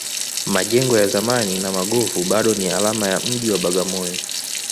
majengo ya zamani na magofu bado ni alama ya mji wa bagamoyo